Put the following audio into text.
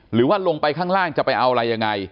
หรือว่าลงไปข้างล่างจะไปเอาอะไรยังไง